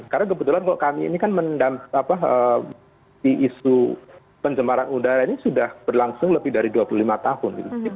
karena kebetulan kalau kami ini kan mendampingi isu penjemaran udara ini sudah berlangsung lebih dari dua puluh lima tahun